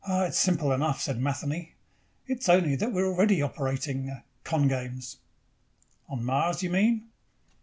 "Oh, it's simple enough," said Matheny. "It's only that we already are operating con games." "On Mars, you mean?"